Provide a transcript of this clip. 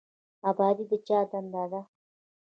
ابادي د چا دنده ده؟